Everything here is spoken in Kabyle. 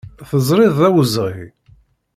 Teẓriḍ d awezɣi.